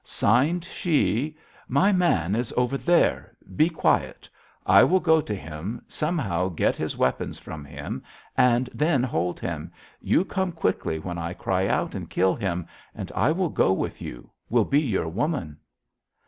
"Signed she: 'My man is over there! Be quiet. I will go to him, somehow get his weapons from him, then hold him. You come quickly when I cry out, and kill him, and I will go with you; will be your woman.'